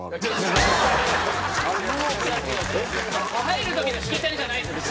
入る時のしきたりじゃないのよ。